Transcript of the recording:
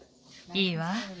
いいわ。